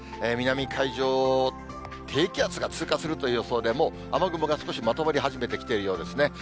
南海上を低気圧が通過するという予想で、もう雨雲が少しまとまり始めているようですね。